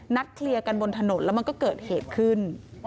เคลียร์กันบนถนนแล้วมันก็เกิดเหตุขึ้น